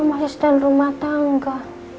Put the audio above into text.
masisten rumah tangga